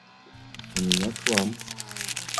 У меня к Вам.